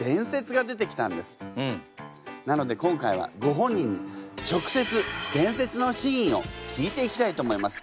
なので今回はご本人に直接伝説の真意を聞いていきたいと思います。